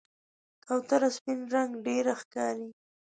کوتره سپین رنګ ډېره ښکاري.